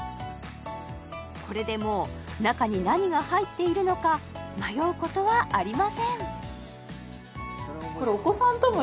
これでもう中に何が入っているのか迷うことはありません